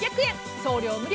送料無料。